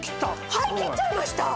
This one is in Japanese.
はい切っちゃいました！